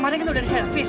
kemarin kan udah di servis